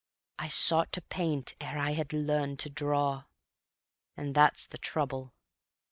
I sought to paint ere I had learned to draw, And that's the trouble.